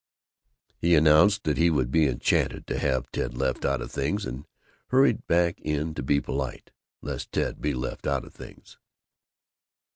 He announced that he would be enchanted to have Ted left out of things, and hurried in to be polite, lest Ted be left out of things.